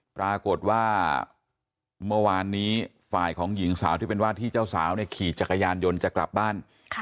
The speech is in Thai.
ปรากฏว่าเมื่อวานนี้ฝ่ายของหญิงสาวที่เป็นว่าที่เจ้าสาวเนี่ยขี่จักรยานยนต์จะกลับบ้าน